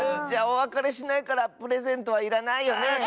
じゃおわかれしないからプレゼントはいらないよね。